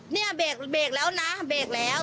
เนี่ยเบรกแล้วนะเบรกแล้ว